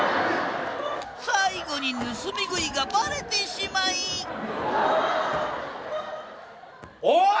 最後に盗み食いがバレてしまいおい！